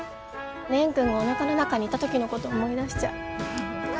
蓮くんがおなかの中にいた時のこと思い出しちゃう。